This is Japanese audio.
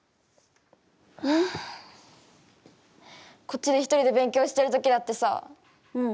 こっちで１人で勉強してるときだってさ。